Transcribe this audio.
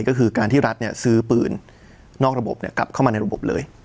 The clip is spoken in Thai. ก็คือการที่รัฐซื้อปืนนอกระบบกลับเข้ามาในระบบเลย